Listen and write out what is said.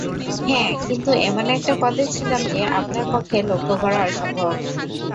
হ্যাঁ কিন্তু এমন একটা পদে ছিলাম যে আপনার পক্ষে লক্ষ্য করা অসম্ভব।